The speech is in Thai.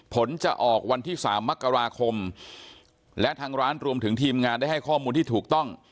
ผลจะออกวันที่๓มกราคมและทางร้านรวมถึงทีมงานได้ให้ข้อมูลที่ถูกต้อง